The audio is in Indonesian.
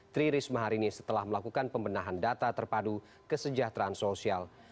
tri risma hari ini setelah melakukan pembenahan data terpadu kesejahteraan sosial